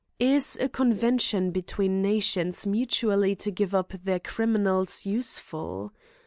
Is a convention between nations mutually to give up their criminals useful?